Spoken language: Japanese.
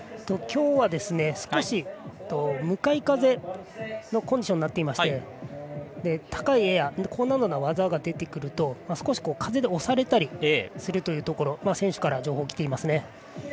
きょうは、少し向かい風のコンディションになっていまして高いエア高難度の技が出てくると少し風で押されたりするというところ選手から情報きていますね。